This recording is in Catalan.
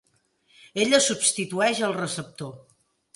Ella substitueix el receptor.